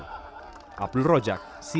dia memiliki kekuatan yang sangat tinggi